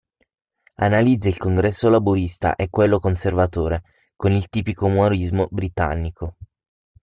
Analizza il congresso laburista e quello conservatore, con il tipico umorismo britannico.